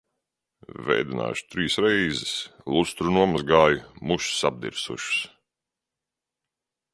Vēdināšu trīs reizes. Lustru nomazgāju, mušas apdirsušas.